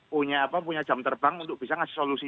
punya apa punya jam terbang untuk bisa ngasih solusi